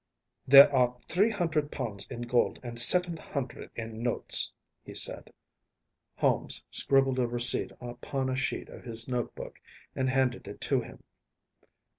“There are three hundred pounds in gold and seven hundred in notes,‚ÄĚ he said. Holmes scribbled a receipt upon a sheet of his note book and handed it to him.